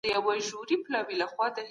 سفیران د مظلومانو د دفاع لپاره څه لیکي؟